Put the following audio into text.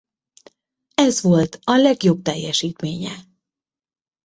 Ez volt a legjobb teljesítménye.